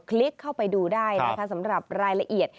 ลิกเข้าไปดูได้นะคะสำหรับรายละเอียด